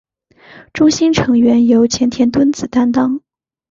中心成员由前田敦子担当。